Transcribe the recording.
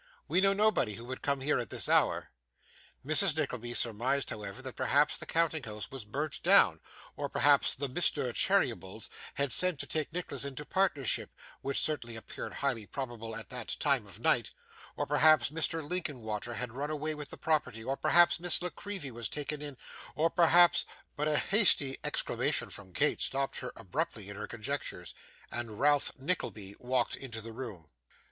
'We know nobody who would come here at this hour.' Mrs. Nickleby surmised, however, that perhaps the counting house was burnt down, or perhaps 'the Mr. Cheerybles' had sent to take Nicholas into partnership (which certainly appeared highly probable at that time of night), or perhaps Mr. Linkinwater had run away with the property, or perhaps Miss La Creevy was taken in, or perhaps But a hasty exclamation from Kate stopped her abruptly in her conjectures, and Ralph Nickleby walked into the room.